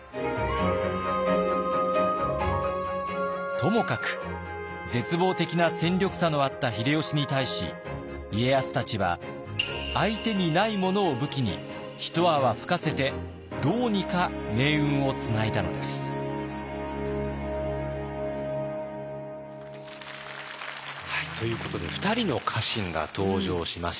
ともかく絶望的な戦力差のあった秀吉に対し家康たちは相手にないものを武器に一泡吹かせてどうにか命運をつないだのです。ということで２人の家臣が登場しました。